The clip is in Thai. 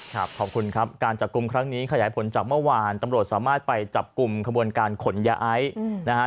ขอบคุณครับการจับกลุ่มครั้งนี้ขยายผลจากเมื่อวานตำรวจสามารถไปจับกลุ่มขบวนการขนยาไอซ์นะฮะ